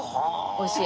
おいしい？